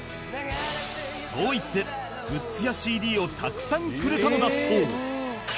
そう言ってグッズや ＣＤ をたくさんくれたのだそう